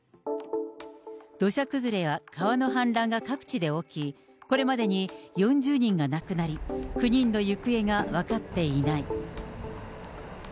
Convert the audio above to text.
土砂崩れや川の氾濫が各地で起こり、これまでに４０人が亡くなり、９人の行方が分かっていない。